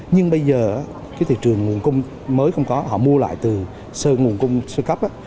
nhưng bây giờ cái thị trường nguồn cung mới không có họ mua lại từ sơn nguồn cung sơ cấp